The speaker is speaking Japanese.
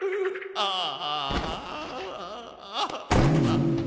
ああ。